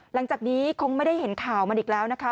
หลังจากนี้คงไม่ได้เห็นข่าวมันอีกแล้วนะคะ